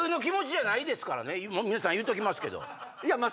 皆さん言うときますけど。